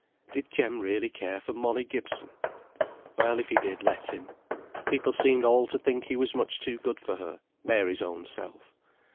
Did Jem really care for Molly Gibson? Well, if he did, let him. People seemed all to think he was much too good for her (Mary's own self).